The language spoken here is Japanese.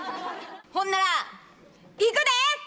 ほんならいくで！